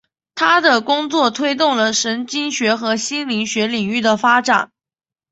他的工作大大推动了神经学和心理学领域的发展。